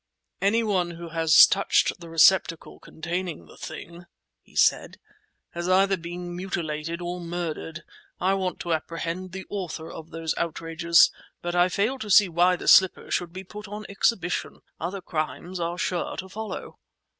"Any one who has touched the receptacle containing the thing," he said, "has either been mutilated or murdered. I want to apprehend the authors of those outrages, but I fail to see why the slipper should be put on exhibition. Other crimes are sure to follow."